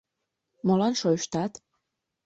— Молан шойыштат?